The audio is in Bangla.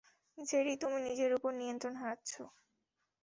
জেডি, তুমি নিজের উপরে নিয়ন্ত্রণ হারাচ্ছো।